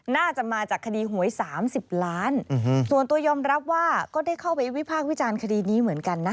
น่าจะมาจากคดีหวย๓๐ล้านส่วนตัวยอมรับว่าก็ได้เข้าไปวิพากษ์วิจารณ์คดีนี้เหมือนกันนะ